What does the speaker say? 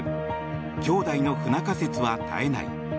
兄弟の不仲説は絶えない。